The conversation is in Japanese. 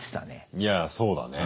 いやそうだね。